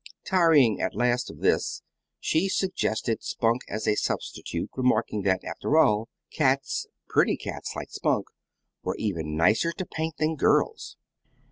Tiring at last of this, she suggested Spunk as a substitute, remarking that, after all, cats pretty cats like Spunk were even nicer to paint than girls.